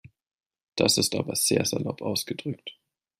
Das ist aber sehr salopp ausgedrückt.